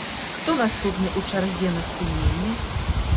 Хто наступны ў чарзе на спыненне?